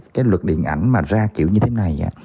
cái luật điện ảnh mà ra kiểu như thế này